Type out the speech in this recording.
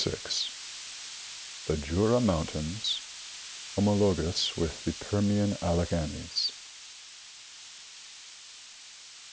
The Jura moxintaiiis homologous with the Permian Alle ghanies.